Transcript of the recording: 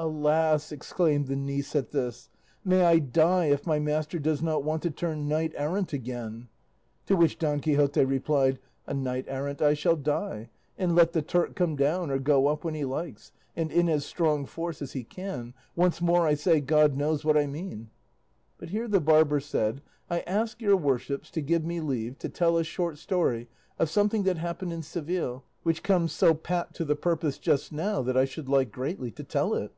"Alas!" exclaimed the niece at this, "may I die if my master does not want to turn knight errant again;" to which Don Quixote replied, "A knight errant I shall die, and let the Turk come down or go up when he likes, and in as strong force as he can, once more I say, God knows what I mean." But here the barber said, "I ask your worships to give me leave to tell a short story of something that happened in Seville, which comes so pat to the purpose just now that I should like greatly to tell it."